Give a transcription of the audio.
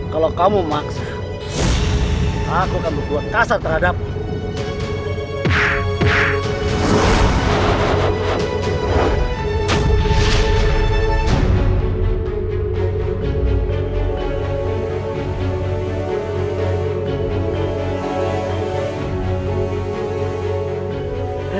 kalau kamu maksa aku akan berbuat kasar terhadapmu